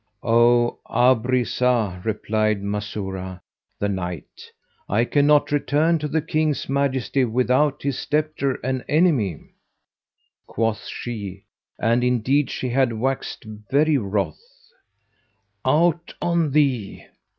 "O Abrízah," replied Masurah, the Knight, "I cannot return to the King's majesty without his debtor and enemy." Quoth she (and indeed she had waxed very wroth), "Out on thee!